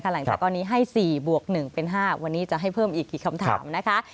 หลังจากตอนนี้ให้๔บวก๑เป็น๕วันนี้จะให้เพิ่มอีกกี่คำถามนะคะ